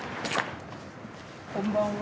こんばんは。